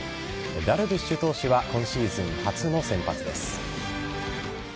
ダルビッシュ投手は今シーズン初の先発です。